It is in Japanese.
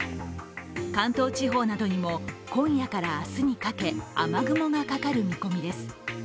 関東地方などにも今夜から明日にかけ雨雲がかかる見込みです。